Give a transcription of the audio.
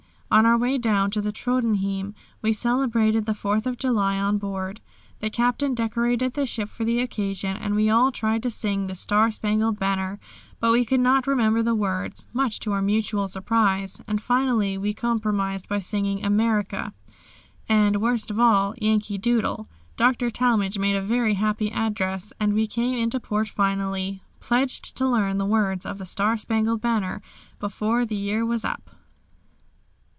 On our way down to Tröndhjem we celebrated the Fourth of July on board. The captain decorated the ship for the occasion and we all tried to sing "The Star Spangled Banner," but we could not remember the words, much to our mutual surprise and finally we compromised by singing "America," and, worst of all, "Yankee Doodle." Dr. Talmage made a very happy address, and we came into port finally, pledged to learn the words of "The Star Spangled Banner" before the year was up.